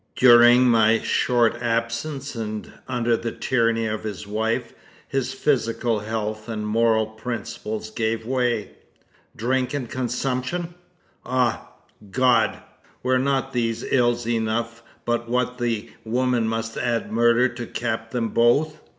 "During my short absence, and under the tyranny of his wife, his physical health and moral principles gave way. Drink and consumption! Ah! God! were not these ills enough but what the woman must add murder to cap them both?"